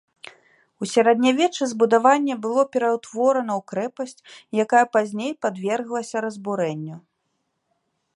У сярэднявеччы збудаванне было пераўтворана ў крэпасць, якая пазней падверглася разбурэнню.